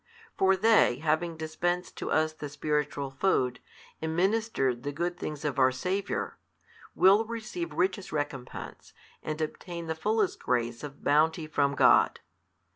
For they having dispensed to us the spiritual food, and ministered the good things of our Saviour, will receive richest recompense and obtain the fullest grace of bounty from God.